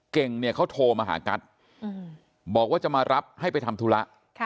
เก่งเนี่ยเขาโทรมาหากัสบอกว่าจะมารับให้ไปทำธุระ